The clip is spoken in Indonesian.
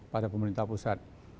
pada pemerintah pusat